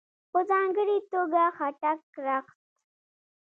په ځانګړې توګه ..خټک رقص..